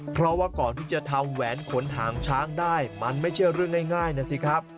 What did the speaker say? เพราะว่าก่อนที่จะทำแหวนขนหางช้างได้มันไม่ใช่เรื่องง่ายนะสิครับ